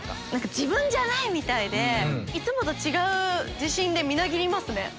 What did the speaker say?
自分じゃないみたいでいつもと違う自信でみなぎります。